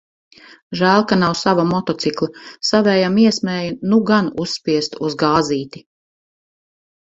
Žēl, ka nav sava motocikla, savējam iesmēju, nu gan uzspiestu uz gāzīti.